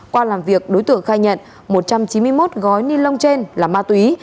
qua làm việc đối tượng khai nhận một trăm chín mươi một gói ni lông trên là ma túy